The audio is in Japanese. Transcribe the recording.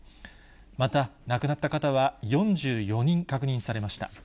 また、亡くなった方は４４人確認されました。